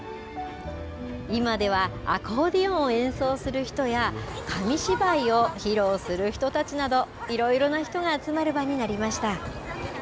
今ではアコーディオンを演奏する人や紙芝居を披露する人たちなどいろいろな人が集まる場になりました。